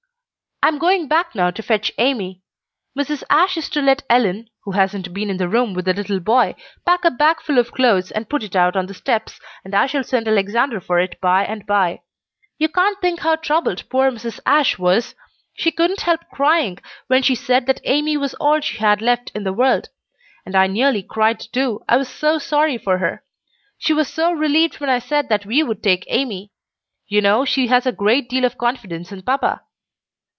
"I am going back now to fetch Amy. Mrs. Ashe is to let Ellen, who hasn't been in the room with the little boy, pack a bagful of clothes and put it out on the steps, and I shall send Alexander for it by and by. You can't think how troubled poor Mrs. Ashe was. She couldn't help crying when she said that Amy was all she had left in the world. And I nearly cried too, I was so sorry for her. She was so relieved when I said that we would take Amy. You know she has a great deal of confidence in papa."